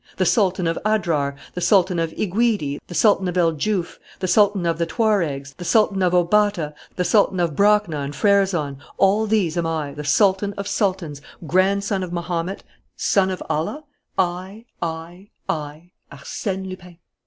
The Sultan of Adrar, the Sultan of Iguidi, the Sultan of El Djouf, the Sultan of the Tuaregs, the Sultan of Aubata, the Sultan of Brakna and Frerzon, all these am I, the Sultan of Sultans, grandson of Mahomet, son of Allah, I, I, I, Arsène Lupin!'